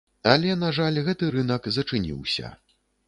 Але, на жаль, гэты рынак зачыніўся.